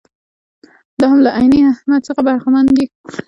دا هم له عیني اهمیت څخه برخمن دي.